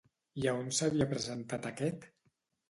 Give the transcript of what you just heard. I a on s'havia presentat aquest?